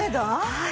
はい。